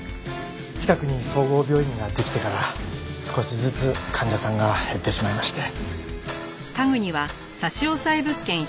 近くに総合病院ができてから少しずつ患者さんが減ってしまいまして。